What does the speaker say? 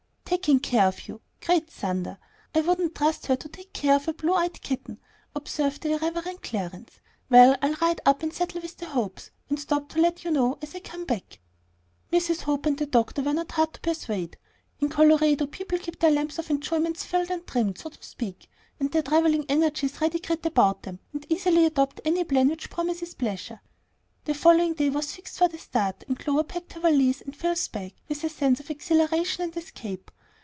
"Taking care of you! Great thunder! I wouldn't trust her to take care of a blue eyed kitten," observed the irreverent Clarence. "Well, I'll ride up and settle with the Hopes, and stop and let you know as I come back." Mrs. Hope and the doctor were not hard to persuade. In Colorado, people keep their lamps of enjoyment filled and trimmed, so to speak, and their travelling energies ready girt about them, and easily adopt any plan which promises pleasure. The following day was fixed for the start, and Clover packed her valise and Phil's bag, with a sense of exhilaration and escape.